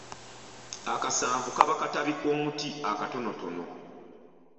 Akasanvu kaba katabi k’omuti akatonotono.